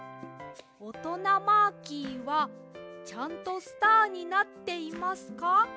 おとなマーキーはちゃんとスターになっていますか？